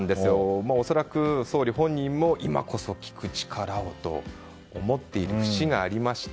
恐らく総理本人も今こそ聞く力をと思っている節がありまして。